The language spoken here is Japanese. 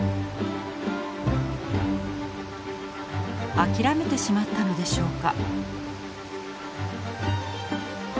諦めてしまったのでしょうか。